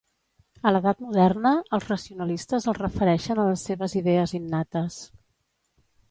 A l'edat moderna els racionalistes el refereixen a les seves idees innates.